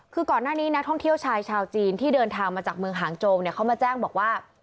คือก่อนหน้านี้นักท่องเที่ยวชายชาวจีนที่เดินทางมาจากเมืองหางโจมเนี่ยเขามาแจ้งบอกว่า